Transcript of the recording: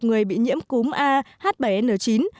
người bị nhiễm cúm ah bảy n chín